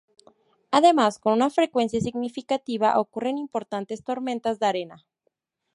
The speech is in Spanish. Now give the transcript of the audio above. Además, con una frecuencia significativa ocurren importantes tormentas de arena.